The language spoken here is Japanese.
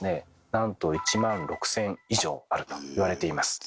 なんと１万６，０００以上あるといわれています。